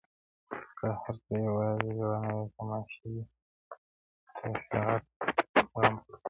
که دا هر څه يوازي يوه نوې تماشا وي چي اصلي غم پټ کړي,